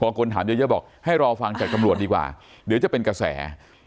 คนถามเยอะบอกให้รอฟังจากตำรวจดีกว่าเดี๋ยวจะเป็นกระแส